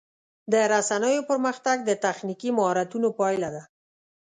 د رسنیو پرمختګ د تخنیکي مهارتونو پایله ده.